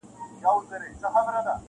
منصوري کریږه یم له داره وځم,